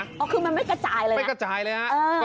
คือก็มันไม่กระจายเลยนะ